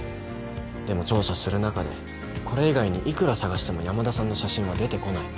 でも調査する中でこれ以外にいくら捜しても山田さんの写真は出てこない。